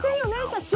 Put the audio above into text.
社長。